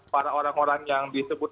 para orang orang yang disebut